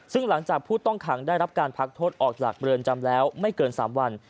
ซึ่งหลังจากผู้ต้องขังได้รับการพักโทษออกจากเรือนจำแล้วไม่เกิน๓วัน